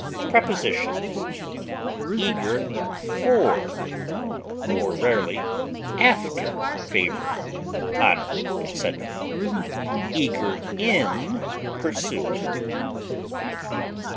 Prepositions: Eager for (more rarely after) favor, honor, etc.; eager in pursuit.